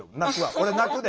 俺泣くで。